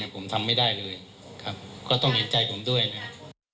ผมทำไม่ได้เลยครับก็ต้องเห็นใจผมด้วยนะครับ